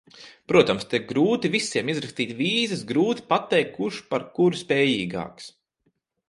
Protams, te grūti visiem izrakstīt vīzas, grūti pateikt, kurš par kuru spējīgāks.